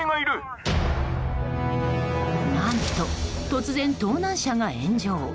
何と突然、盗難車が炎上。